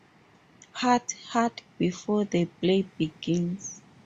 Hut, hut.. before the play begins.